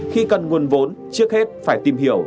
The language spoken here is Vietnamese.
khi cần nguồn vốn trước hết phải tìm hiểu